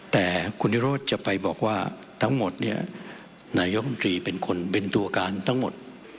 แต่คุณนิโรธจะไปบอกว่าทั้งหมดเนี่ยนายกรรมตรีเป็นคนเป็นตัวการทั้งหมด